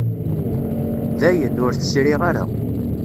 Dayen, ur t-sriɣ ara.